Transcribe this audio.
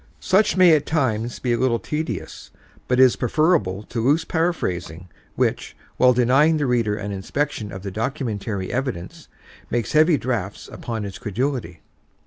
Such may at times be a little tedious but is preferable to loose paraphrasing which, while denying the reader an inspection of the documentary evidence, makes heavy drafts upon his credulity.